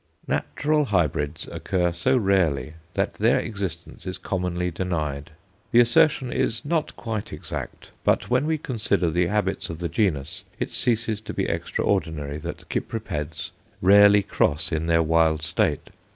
Natural hybrids occur so rarely, that their existence is commonly denied. The assertion is not quite exact; but when we consider the habits of the genus, it ceases to be extraordinary that Cypripeds rarely cross in their wild state.